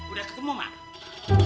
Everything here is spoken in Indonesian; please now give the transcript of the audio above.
udah ke kamu mak